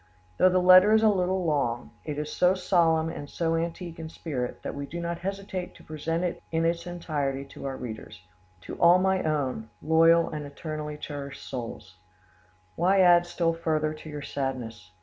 Though the letter is a little long, it is so solemn and so antique in spirit, that we do not hesitate to present it in its entirety to our readers:— "To all my own "Loyal and eternally cherished souls "Why add still further to your sadness?